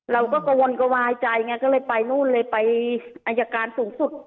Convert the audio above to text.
เราก็กระวนกระวายใจไงก็เลยไปนู่นเลยไปอายการสูงสุด